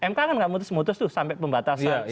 mk kan nggak mutus mutus tuh sampai pembatasan